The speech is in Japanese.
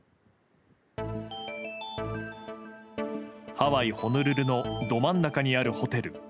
ハワイ・ホノルルのど真ん中にあるホテル。